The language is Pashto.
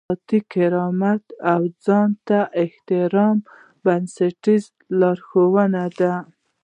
ذاتي کرامت او ځان ته احترام بنسټیز ارزښتونه دي.